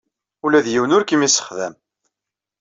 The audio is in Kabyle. Ula d yiwen ur kem-yessexdam.